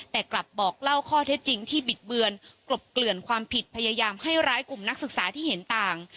แต่กลับบอกเล่าข้อเท็จจริงที่บิดเบือนกลบเกลื่อนความผิดพยายามให้ร้ายกลุ่มนักศึกษาที่เห็นต่าง